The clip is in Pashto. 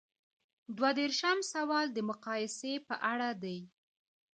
دوه دیرشم سوال د مقایسې په اړه دی.